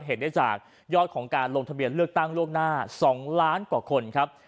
เห็นได้จากยอดของการลงทะเบียนเลือกตั้งล่วงหน้า๒ล้านกว่าคนครับ